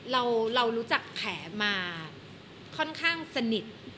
เรารู้จักแผลมาค่อนข้างสนิท